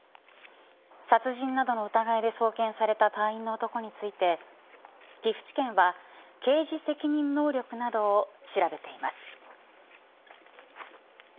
殺人などの疑いで送検された隊員の男について岐阜地検は刑事責任能力などを調べています。